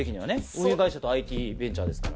運輸会社とＩＴベンチャーですから。